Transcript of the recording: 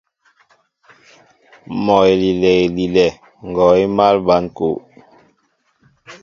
Mɔ elilɛ elilɛ, ngɔɔ émal ɓăn kúw.